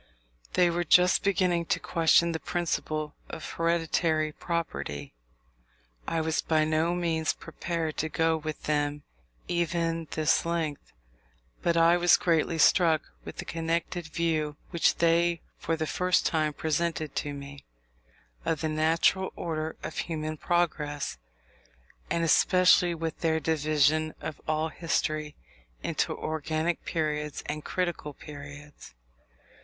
They were just beginning to question the principle of hereditary property. I was by no means prepared to go with them even this length; but I was greatly struck with the connected view which they for the first time presented to me, of the natural order of human progress; and especially with their division of all history into organic periods and critical periods.